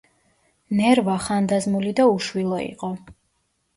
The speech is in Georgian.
ნერვა ხანდაზმული და უშვილო იყო.